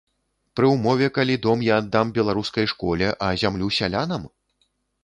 Пры ўмове, калі дом я аддам беларускай школе, а зямлю сялянам?